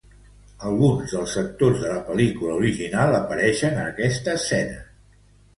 Alguns dels actors de la pel·lícula original apareixen en esta escena.